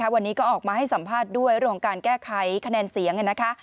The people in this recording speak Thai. วันนี้ก็ออกมาให้สัมภาษณ์ด้วยเรื่องของการแก้ไขคะแนนเสียงนะคะ